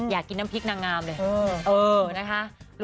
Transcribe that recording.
อยากกินน้ำพริกนางงามเลยนะคะ